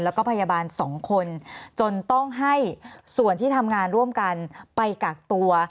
แล้วก็พยาบาล๒คนจนต้องให้ส่วนที่ทำงานร่วมกันไปกักตัว